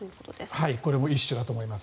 これも一種だと思います。